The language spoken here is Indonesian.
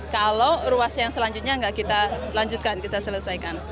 kalau ruas yang selanjutnya nggak kita lanjutkan kita selesaikan